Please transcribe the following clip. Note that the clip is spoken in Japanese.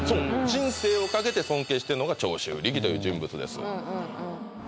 人生をかけて尊敬してんのが長州力という人物ですうんうんうん